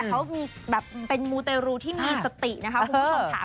แต่เขาเป็นมูเตรูที่มีสตินะครับคุณผู้ชมค่ะ